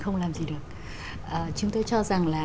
không làm gì được chúng tôi cho rằng là